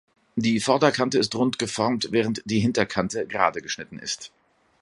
Die Vorderkante ist rund geformt, während die Hinterkante gerade geschnitten ist.